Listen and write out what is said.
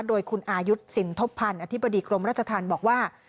โดยคุณอายุทธ์สินทบพันธ์อธิบดีกรมราชธรรมบอกว่า